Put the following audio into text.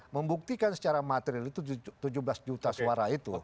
membuktikan secara material itu tujuh belas juta suara itu